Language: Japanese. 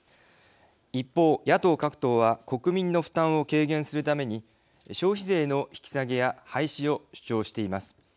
一方、野党各党は国民の負担を軽減するために消費税の引き下げや廃止を主張しています。